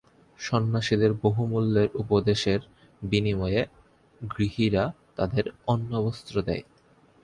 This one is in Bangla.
সন্ন্যাসীদের বহুমূল্য উপদেশের বিনিময়ে গৃহীরা তাদের অন্নবস্ত্র দেয়।